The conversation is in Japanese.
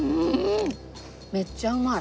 めっちゃうまい！